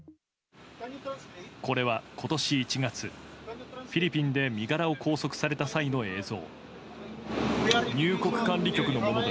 これは今年１月、フィリピンで身柄を拘束された際の映像。